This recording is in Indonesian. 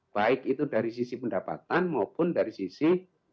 baik itu dari sisi pendapatan maupun dari sisi